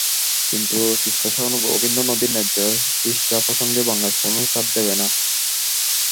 কিন্তু তিস্তাসহ অভিন্ন নদীর ন্যায্য হিস্যা প্রসঙ্গে বাংলাদেশ কোনো ছাড় দেবে না।